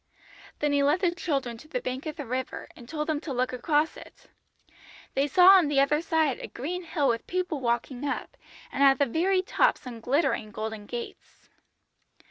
"Then he led the children to the bank of the river, and told them to look across it. They saw on the other side a green hill with people walking up, and at the very top some glittering golden gates.